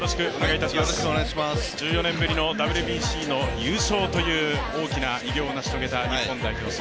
１４年ぶりのＷＢＣの優勝という大きな偉業を成し遂げた日本であります。